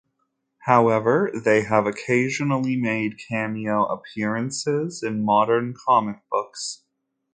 However, they have occasionally made cameo appearances in modern comic books.